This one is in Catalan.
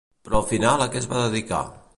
Però al final a què es va dedicar?